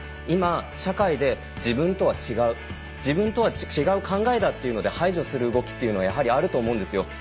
今、社会で自分とは違う自分とは違う考えでというので排除する動きというのはやはりあると思うんですよ。